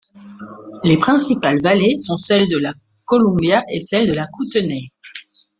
Les principales vallées sont celle de la Columbia et celle de la Kootenay.